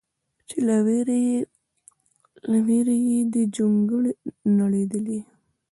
چې له ویرې دې جونګړې نړېدلې